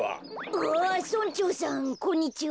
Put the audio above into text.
あ村長さんこんにちは。